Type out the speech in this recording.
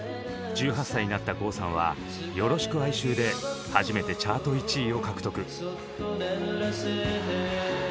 １８歳になった郷さんは「よろしく哀愁」で初めてチャート１位を獲得。